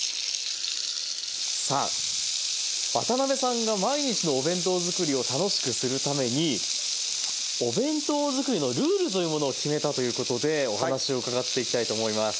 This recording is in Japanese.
さあ渡辺さんが毎日のお弁当作りを楽しくするためにお弁当作りのルールというものを決めたということでお話を伺っていきたいと思います。